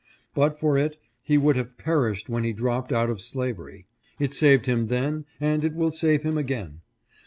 But for it he would have perished when he dropped out of slavery. It saved him then, and it will save him again.